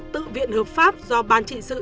tự viện hợp pháp do ban trị sự